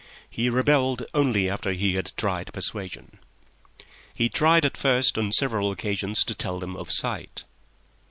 He rebelled only after he had tried persuasion. He tried at first on several occasions to tell them of sight.